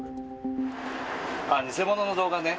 偽物の動画ね。